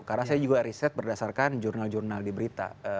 karena saya juga riset berdasarkan jurnal jurnal di berita